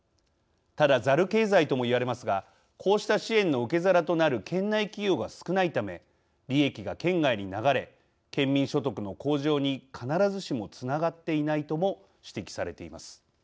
ただ、ザル経済とも言われますがこうした支援の受け皿となる県内企業が少ないため利益が県外に流れ県民所得の向上に必ずしもつながっていないとも指摘されています。